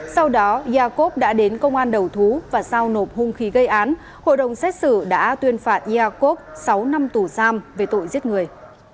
sau đó yakov đã đến công an đầu thú và giao nộp hung khí gây án hội đồng xét xử đã tuyên phạt iakov sáu năm tù giam về tội giết người